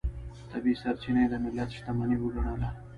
طبیعي سرچینې د ملت شتمنۍ وګڼله.